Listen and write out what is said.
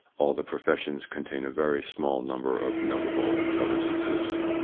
All the professions contain a very small number of notable intelligences.